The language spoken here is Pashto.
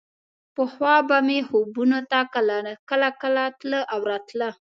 پخوا به مې خوبونو ته کله کله تله او راتله.